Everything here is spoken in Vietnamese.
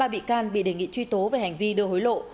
hai mươi ba bị can bị đề nghị truy tố về hành vi đưa hối lộ